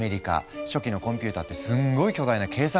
初期のコンピューターってすんごい巨大な計算機だったんだ。